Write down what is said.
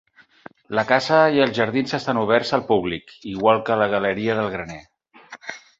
La casa i els jardins estan oberts al públic, igual que la Galeria del graner.